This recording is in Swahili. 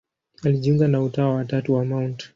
Alijiunga na Utawa wa Tatu wa Mt.